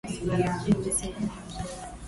Mimi sina moyo mzuri